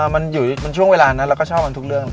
มันช่วงเวลานั้นเราก็ชอบกันทุกเรื่อง